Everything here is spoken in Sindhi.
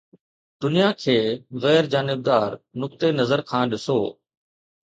دنيا کي غير جانبدار نقطي نظر کان ڏسو